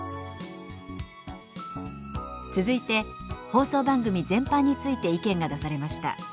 続いて放送番組全般について意見が出されました。